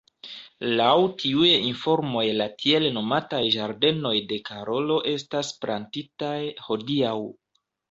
Laŭ tiuj informoj la tiel nomataj ĝardenoj de Karolo estas plantitaj hodiaŭ.